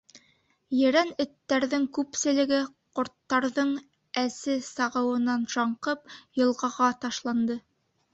Ерән эттәрҙең күпселеге, ҡорттарҙың әсе сағыуынан шаңҡып, йылғаға ташланды.